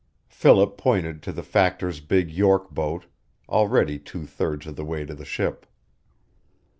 Philip pointed to the factor's big York boat, already two thirds of the way to the ship.